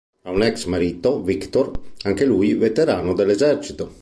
Ha un ex-marito, Victor, anche lui veterano dell'esercito.